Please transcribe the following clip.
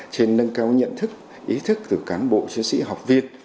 trên nâng cao nhận thức ý thức từ cán bộ chiến sĩ học viên